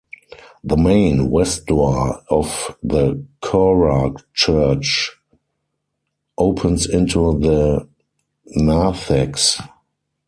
The main, west door of the Chora Church opens into the narthex.